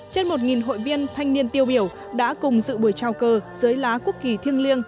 trên một hội viên thanh niên tiêu biểu đã cùng dự buổi trao cơ dưới lá quốc kỳ thiêng liêng